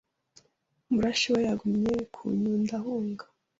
Murashi we yagumye ku Nyundo ahunga